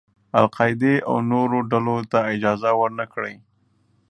القاعدې او نورو ډلو ته اجازه ور نه کړي.